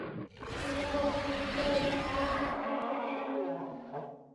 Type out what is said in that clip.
তিনি প্রথম এশীয় এবং প্রথম অ-শ্বেতাঙ্গ ছিলেন।